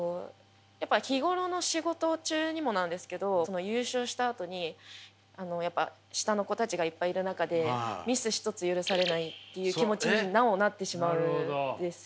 やっぱり日頃の仕事中にもなんですけど優勝したあとにやっぱ下の子たちがいっぱいいる中でミス一つ許されないっていう気持ちになおなってしまうんですよ。